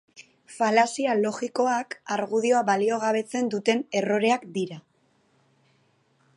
Falazia logikoak argudioa baliogabetzen duten erroreak dira.